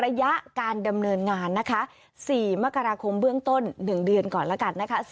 ระยะการดำเนินงานนะคะ๔มกราคมเบื้องต้น๑เดือนก่อนแล้วกันนะคะ